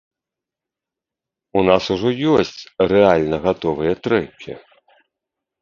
У нас ужо ёсць рэальна гатовыя трэкі!